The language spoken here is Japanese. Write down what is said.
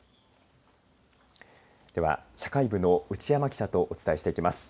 では、社会部の内山記者とお伝えしていきます。